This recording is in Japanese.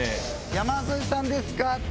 「山添さんですか？」って